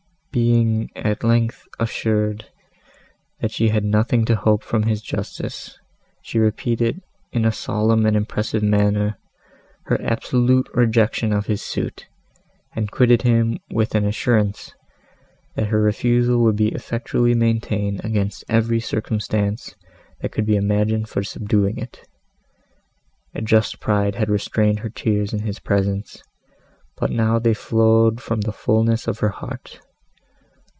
Being, at length, assured, that she had nothing to hope from his justice, she repeated, in a solemn and impressive manner, her absolute rejection of his suit, and quitted him with an assurance, that her refusal would be effectually maintained against every circumstance, that could be imagined for subduing it. A just pride had restrained her tears in his presence, but now they flowed from the fulness of her heart.